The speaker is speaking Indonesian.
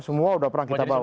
semua sudah pernah kita bawa